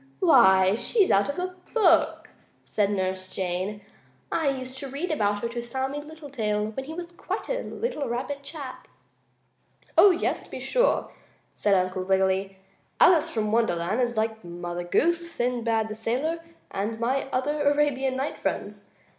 "Why, she's out of a book," said Nurse Jane. "I used to read about her to Sammie Littletail, when he was quite a little rabbit chap." "Oh, yes, to be sure," said Uncle Wiggily. "Alice from Wonderland is like Mother Goose, Sinbad the Sailor and my other Arabian Night friends.